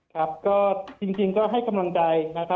ครับคือจริงก็ให้กำลังใจนะคะ